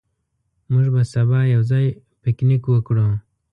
موږ به سبا یو ځای پکنیک وکړو.